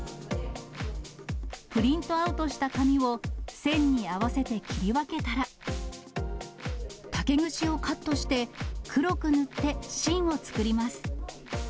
プリントアウトした紙を線に合わせて切り分けたら、竹串をカットして、黒く塗って芯を作ります。